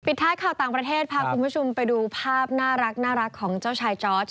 ท้ายข่าวต่างประเทศพาคุณผู้ชมไปดูภาพน่ารักของเจ้าชายจอร์ด